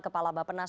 kepala mbak penas